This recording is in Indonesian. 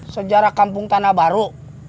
sejarah kampung tanah baru